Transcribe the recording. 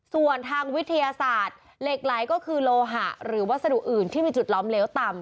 ส่วนทางวิทยาศาสตร์เหล็กไหลก็คือโลหะหรือวัสดุอื่นที่มีจุดล้อมเลวต่ำ